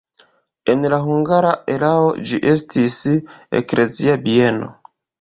En la hungara erao ĝi estis eklezia bieno.